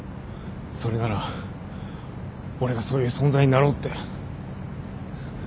それなら俺がそういう存在になろうって。